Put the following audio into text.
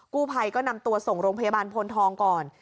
กู้ภัยก็นำตัวส่งโรงพยาบาลพลทองก่อน